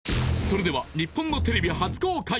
それでは日本のテレビ初公開！